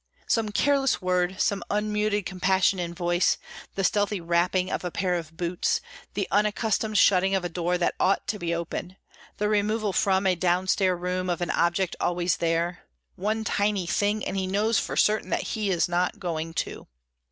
Some careless word, some unmuted compassion in voice, the stealthy wrapping of a pair of boots, the unaccustomed shutting of a door that ought to be open, the removal from a down stair room of an object always there—one tiny thing, and he knows for certain that he is not going too.